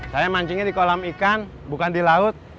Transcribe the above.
saya mancingnya di kolam ikan bukan di laut